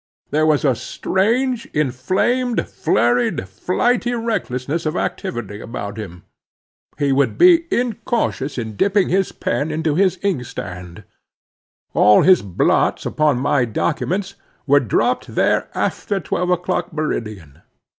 There was a strange, inflamed, flurried, flighty recklessness of activity about him. He would be incautious in dipping his pen into his inkstand. All his blots upon my documents, were dropped there after twelve o'clock, meridian.